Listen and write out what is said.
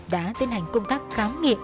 đã tiến hành công tác khám nghiệm